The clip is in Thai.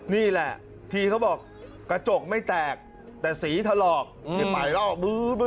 นี่แหละทีเขาบอกกระจกไม่แตกแต่สีถลอกหนึ่งไปรอบืม